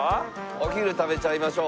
お昼食べちゃいましょう。